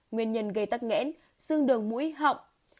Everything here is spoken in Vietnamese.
nguyên nhân gây tắc nghẽn xương đường mũi họng